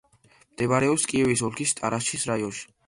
მდებარეობს კიევის ოლქის ტარაშჩის რაიონში.